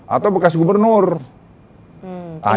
atau bekas gubernur tanya juga